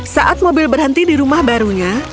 saat mobil berhenti di rumah barunya